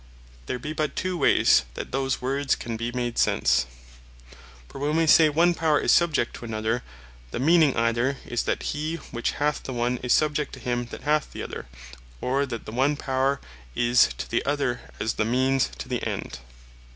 There be but two ways that those words can be made sense. For when wee say, one Power is subject to another Power, the meaning either is, that he which hath the one, is subject to him that hath the other; or that the one Power is to the other, as the means to the end.